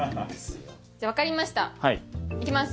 じゃあ分かりました行きます。